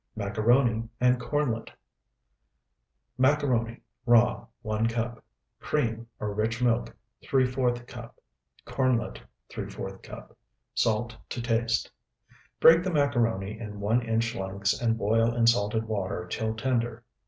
MACARONI AND KORNLET Macaroni, raw, 1 cup. Cream or rich milk, ¾ cup. Kornlet, ¾ cup. Salt to taste. Break the macaroni in one inch lengths and boil in salted water till tender.